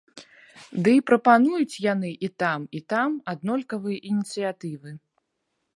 Ды і прапануюць яны і там, і там аднолькавыя ініцыятывы.